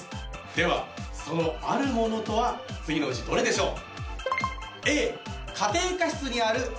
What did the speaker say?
ではそのある物とは次のうちどれでしょう？